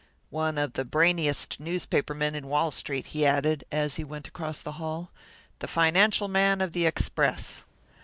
"One of the brainiest newspaper men in Wall Street," he added, as he went across the hall, "the financial man of the Express."